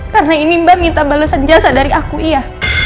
karena ini mbak minta balasan jasa dari aku iya